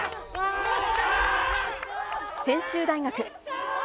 専修大学。